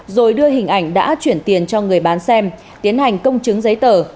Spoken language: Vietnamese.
rồi đưa hình ảnh đã chuyển tiền cho người bán xem tiến hành công chứng giấy tờ